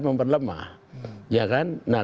memperlemah ya kan nah